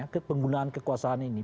kek penggunaan kekuasaan ini